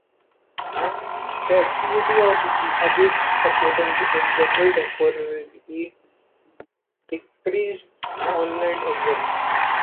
The activity of jihadist supporters in general temporarily decreased online as well.